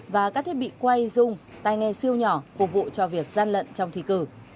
và các thiết bị quay dung tay nghe siêu nhỏ phục vụ cho việc gian lận trong thi cử